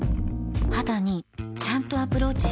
肌にちゃんとアプローチしてる感覚